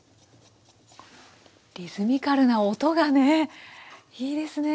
リズミカルな音がねいいですね。